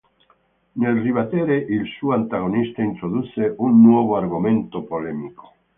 Nel ribattere, il suo antagonista introdusse un nuovo argomento polemico.